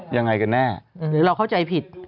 ยังไงกันแน่หรือเราเข้าใจผิด